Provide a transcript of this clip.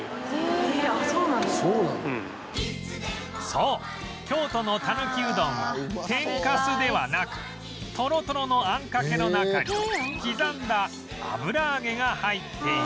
そう京都のたぬきうどんは天かすではなくトロトロの餡かけの中に刻んだ油揚げが入っている